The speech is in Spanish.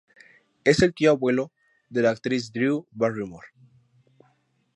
Es el tío abuelo de la actriz Drew Barrymore.